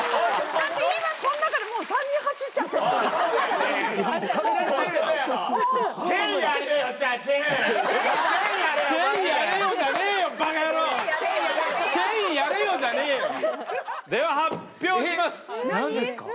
だって今、この中でもう３人走っちゃってるから。